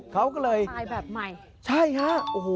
เขาก็เลยใช่ค่ะโอ้โห